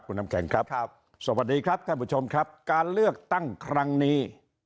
คุณน้ำแข็งครับครับสวัสดีครับท่านผู้ชมครับการเลือกตั้งครั้งนี้